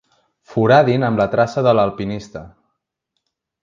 Foradin amb la traça de l'alpinista.